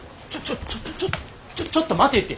ちょちょちょっと待てって。